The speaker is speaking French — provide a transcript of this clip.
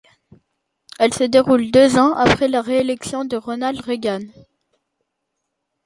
Elles se déroulent deux ans après à la réélection de Ronald Reagan.